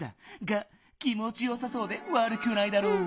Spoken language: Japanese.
が気もちよさそうでわるくないだろう。